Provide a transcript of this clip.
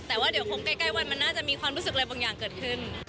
แต่ว่าเดี๋ยวคงใกล้วันมันน่าจะมีความรู้สึกอะไรบางอย่างเกิดขึ้น